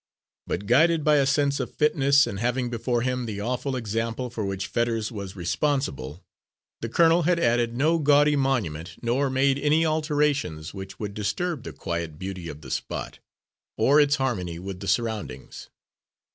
But, guided by a sense of fitness, and having before him the awful example for which Fetters was responsible, the colonel had added no gaudy monument nor made any alterations which would disturb the quiet beauty of the spot or its harmony with the surroundings.